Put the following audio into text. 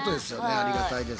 ありがたいです。